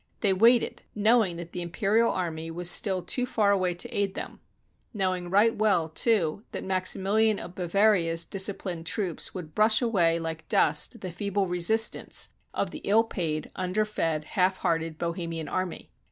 They waited, knowing that the imperial army was still too far away to aid them; knowing right well, too, that Maximilian of Bavaria's disciplined troops would brush away like dust the feeble resistance of the ill paid, under fed, half hearted Bohemian army.